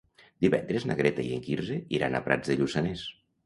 Divendres na Greta i en Quirze iran a Prats de Lluçanès.